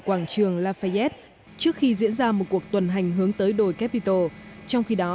quảng trường lafayet trước khi diễn ra một cuộc tuần hành hướng tới đồi capitol trong khi đó